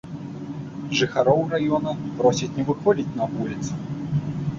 Жыхароў раёна просяць не выходзіць на вуліцу.